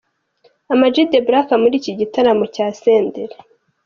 Ama-G The Black muri iki gitaramo cya Senderi.